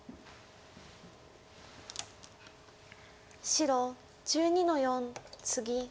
白１２の四ツギ。